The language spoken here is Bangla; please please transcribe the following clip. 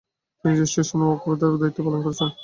তিনি রেজিস্ট্রেশন ও ওয়াকফের দায়িত্বও পালন করেছেন।